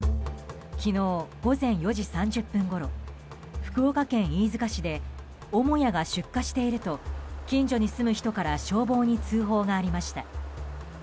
昨日午前４時３０分ごろ福岡県飯塚市で母屋が出火していると近所に住む人から消防に通報がありました。